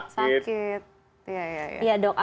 padahal mungkin kalau kita lihat begitu ya korbannya diberi